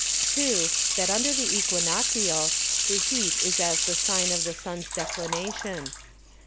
II. That under the Æquinoctial, the Heat is as the Sine of the Sun's Declination.